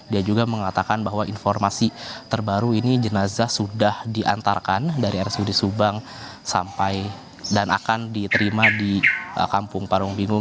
dia juga mengatakan bahwa informasi terbaru ini jenazah sudah diantarkan dari rsud subang sampai dan akan diterima di kampung parung bingung